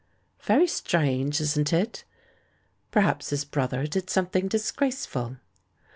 "Very strange, isn't it? Perhaps his brother did something disgraceful."